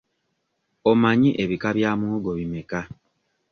Omanyi ebika bya muwogo bimeka?